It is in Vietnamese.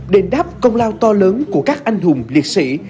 đền đáp công lao to lớn của các anh hùng liệt sĩ